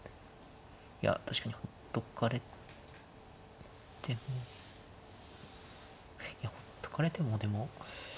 いや確かにほっとかれても。いや放っとかれてもでも。